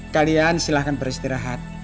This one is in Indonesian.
kalian silahkan beristirahat